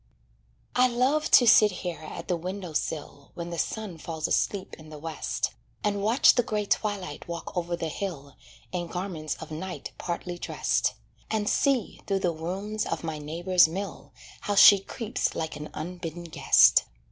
I love to sit here at the window sill When the sun falls asleep in the West, And watch the gray Twilight walk over the hill In garments of night partly dressed, And see, through the rooms of my neighbor's mill, How she creeps like an unbidden guest.